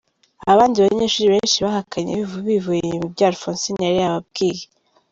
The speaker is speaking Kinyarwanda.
Abandi banyeshuri benshi bahakanye bivuye inyuma ibyo Alphonsine yari yababwiye.